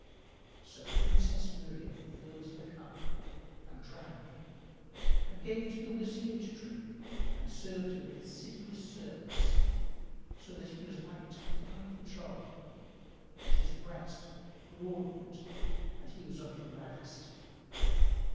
So Princess Miriam filled the cup and drank and gave the Wazir to drink and served him with assiduous service, so that he was like to fly for joy and his breast broadened and he was of the gladdest.